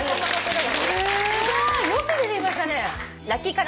すごい！よく出てきましたね。